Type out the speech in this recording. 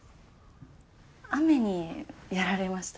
雨にやられました。